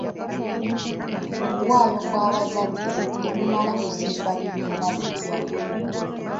Okuwaayo kw'abazadde tekumala kuzimba bibiina bipya.